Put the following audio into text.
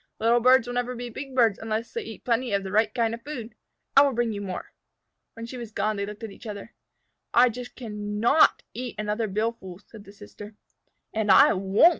"Little birds will never be big birds unless they eat plenty of the right kind of food. I will bring you more." When she was gone they looked at each other. "I just can not eat another billful," said the sister. "And I won't!"